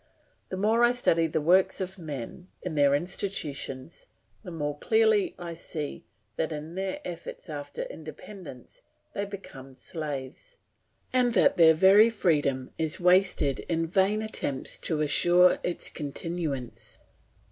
The more I study the works of men in their institutions, the more clearly I see that, in their efforts after independence, they become slaves, and that their very freedom is wasted in vain attempts to assure its continuance.